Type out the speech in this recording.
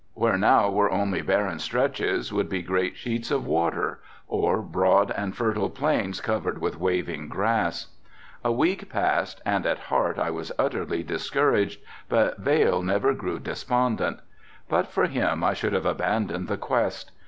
Where now were only barren stretches would be great sheets of water or broad and fertile plains covered with waving grass. A week passed and at heart I was utterly discouraged, but Vail never grew despondent. But for him I should have abandoned the quest.